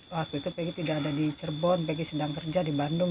waktu itu pegi tidak ada di cerbon pegi sedang bekerja di bandung